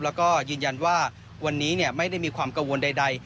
แล้วก็ยืนยันว่าวันนี้ไม่ได้มีความกังวลใด